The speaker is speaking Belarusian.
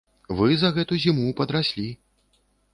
Вы за гэту зіму падраслі.